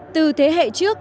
từ thế hệ trước